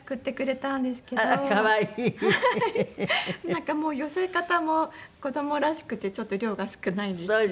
なんかもうよそい方も子どもらしくてちょっと量が少ないんですけど。